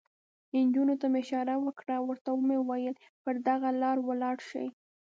نجونو ته مې اشاره وکړه، ورته مې وویل: پر دغه لار ولاړ شئ.